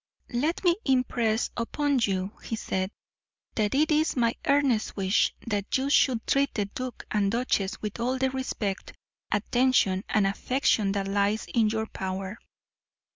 "Let me impress upon you," he said, "that it is my earnest wish that you should treat the duke and duchess with all the respect, attention, and affection that lies in your power.